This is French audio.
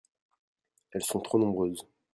elles sont trop nombreuses.